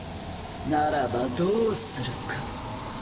ならばどうするか。